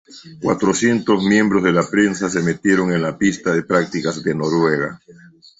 Cuatrocientos miembros de la prensa se metieron en la pista de prácticas de Noruega.